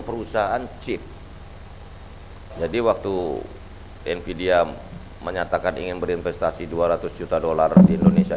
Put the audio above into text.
perusahaan chip jadi waktu npd menyatakan ingin berinvestasi dua ratus juta dolar di indonesia